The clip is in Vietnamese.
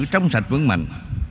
trong sạch vững mạnh